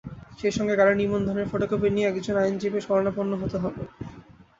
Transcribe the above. সেই সঙ্গে গাড়ির নিবন্ধনের ফটোকপি নিয়ে একজন আইনজীবীর শরণাপন্ন হতে হবে।